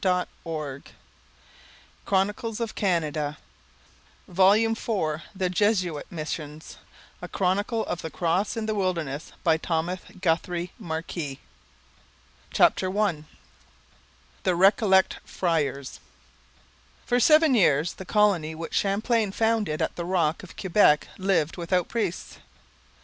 Langton In thirty two volumes Volume 4 THE JESUIT MISSIONS A Chronicle of the Cross in the Wilderness By THOMAS GUTHRIE MARQUIS TORONTO, 1916 CHAPTER I THE RECOLLET FRIARS For seven years the colony which Champlain founded at the rock of Quebec lived without priests.